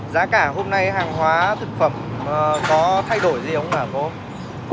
giá cả hôm nay hàng hóa thực phẩm có thay đổi gì không hả cô